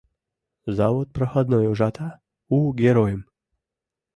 Завод проходной ужата у геройым